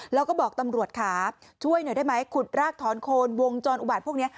แล้วก็บอกตำรวจค่ะช่วยหน่อยได้ไหมขุดรากถอนโคนวงจรอุบัติพวกนี้